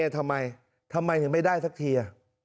ทำไมทำไมถึงไม่ได้สักที